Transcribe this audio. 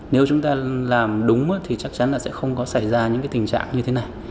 nếu chúng ta làm đúng thì chắc chắn là sẽ không có xảy ra những tình trạng như thế này